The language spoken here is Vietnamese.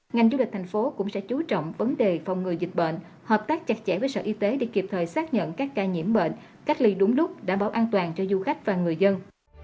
ngành du lịch thành phố cũng sẽ chú trọng vấn đề phòng ngừa dịch bệnh hợp tác chặt chẽ với sở y tế để kịp thời xác nhận các ca nhiễm bệnh cách ly đúng lúc đảm bảo an toàn cho du khách và người dân